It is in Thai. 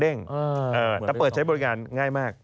แต่เปิดใช้บริการง่ายมาก